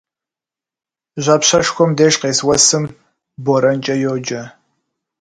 Жьапщэшхуэм деж къес уэсым борэнкӏэ йоджэ.